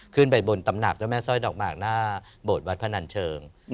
ขึ้นไปบนตำหนักเจ้าแม่สร้อยดอกหมากหน้าโบสถวัดพนันเชิง